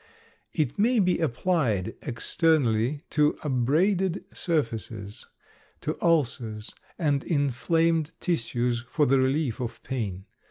It may be applied externally to abraded surfaces, to ulcers and inflamed tissues for the relief of pain.